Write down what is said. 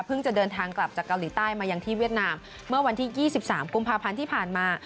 จะเดินทางกลับจากเกาหลีใต้มายังที่เวียดนามเมื่อวันที่๒๓กุมภาพันธ์ที่ผ่านมา